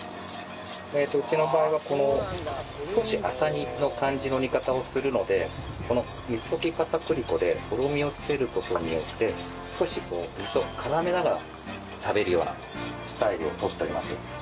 うちの場合は少し浅煮の感じの煮方をするのでこの水溶き片栗粉でとろみをつける事によって少し味噌を絡めながら食べるようなスタイルをとっております。